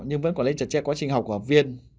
nhưng vẫn quản lý chặt chẽ quá trình học của học viên